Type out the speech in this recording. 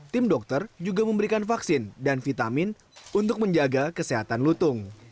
tim dokter juga memberikan vaksin dan vitamin untuk menjaga kesehatan lutung